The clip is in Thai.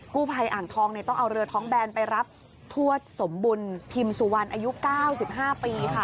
ภัยอ่างทองต้องเอาเรือท้องแบนไปรับทวดสมบุญพิมพ์สุวรรณอายุ๙๕ปีค่ะ